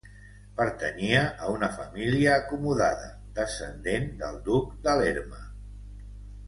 Pertanyia a una família acomodada, descendent del duc de Lerma.